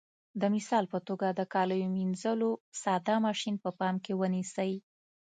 د مثال په توګه د کالیو منځلو ساده ماشین په پام کې ونیسئ.